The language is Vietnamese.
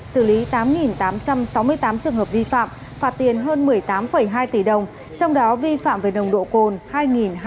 xử lý tám tám trăm sáu mươi tám trường hợp vi phạm phạt tiền hơn một mươi tám hai tỷ đồng trong đó vi phạm về nồng độ cồn